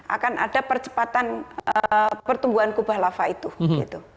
akan ada percepatan pertumbuhan kubah lava itu gitu